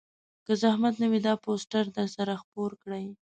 که زحمت نه وي دا پوسټر درسره خپور کړئ